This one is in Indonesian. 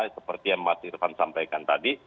seperti yang mas irfan sampaikan tadi